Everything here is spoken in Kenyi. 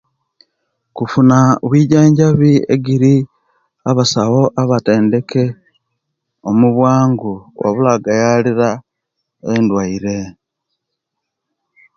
Kufuna bwijanjabi egiri abasawo abatendeke omubwangu owabula ogayaalira endwaire.